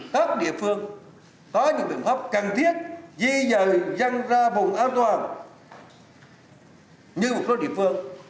các địa phương có những biện pháp cần thiết di dời dân ra vùng an toàn như một số địa phương